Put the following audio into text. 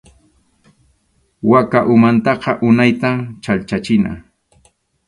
Waka umantaqa unaytam chhallchachina.